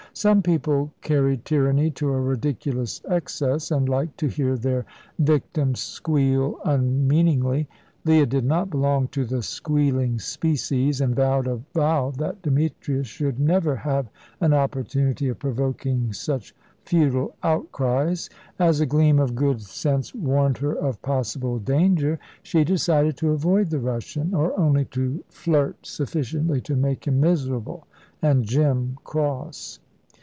Some people carried tyranny to a ridiculous excess, and liked to hear their victims squeal unmeaningly. Leah did not belong to the squealing species, and vowed a vow that Demetrius should never have an opportunity of provoking such futile outcries. As a gleam of good sense warned her of possible danger, she decided to avoid the Russian, or only to flirt sufficiently to make him miserable and Jim cross.